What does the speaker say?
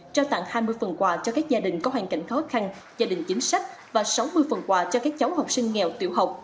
trao tặng hai mươi phần quà cho các gia đình có hoàn cảnh khó khăn gia đình chính sách và sáu mươi phần quà cho các cháu học sinh nghèo tiểu học